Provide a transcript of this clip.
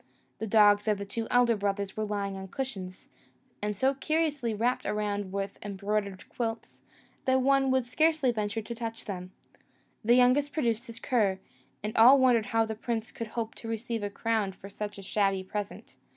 The dogs of the two elder brothers were lying on cushions, and so curiously wrapped around with embroidered quilts, that one would scarcely venture to touch them. The youngest produced his cur, and all wondered how the prince could hope to receive a crown for such a shabby present.